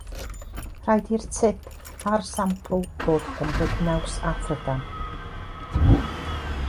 Rhaid i'r tip a'r sampl fod yn gydnaws â thrydan.